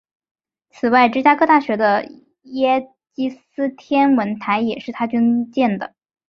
此外芝加哥大学的耶基斯天文台也是他捐建的。